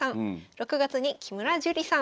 ６月に木村朱里さん。